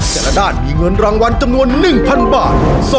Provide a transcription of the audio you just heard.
แต่ละด้านมีเงินรางวัลจำนวน๑๐๐บาท